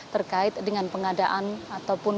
terkait dengan pengadaan ataupun